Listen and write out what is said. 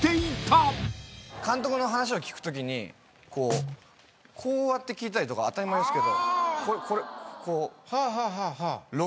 監督の話を聞くときにこうやって聞いたりとか当たり前ですけど。